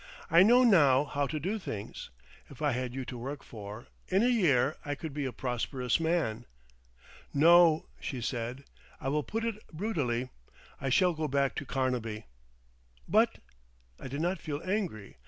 I know now how to do things. If I had you to work for—in a year I could be a prosperous man." "No," she said, "I will put it brutally, I shall go back to Carnaby." "But—!" I did not feel angry.